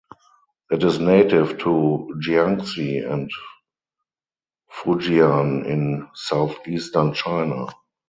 It is native to Jiangxi and Fujian in southeastern China.